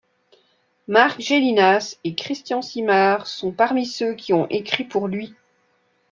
Marc Gélinas et Christian Simard sont parmi ceux qui ont écrit pour lui.